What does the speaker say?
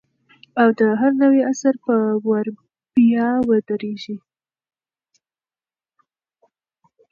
او د هر نوي عصر پر ور بیا ودرېږي